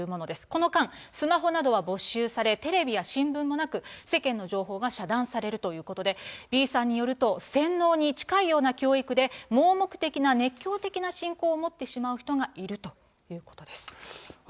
この間、スマホなどは没収され、テレビや新聞もなく、世間の情報が遮断されるということで、Ｂさんによると、洗脳に近いような教育で、盲目的な熱狂的な信仰を持ってしまう人がいるということです。